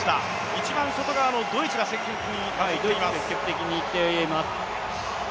一番外側のドイツが積極的に行っています。